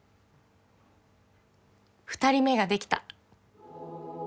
２人目ができた。